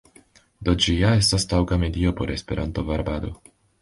Do ĝi ja estas taŭga medio por Esperanto-varbado.